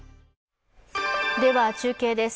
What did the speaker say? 中継です。